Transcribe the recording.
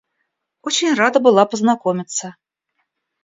Очень рада была познакомиться.